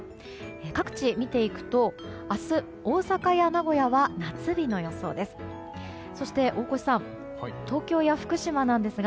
各地を見ていくと明日大阪や名古屋は夏日の予想です。